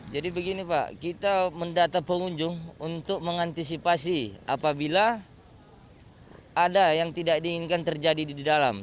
jadi begini pak kita mendata pengunjung untuk mengantisipasi apabila ada yang tidak diinginkan terjadi di dalam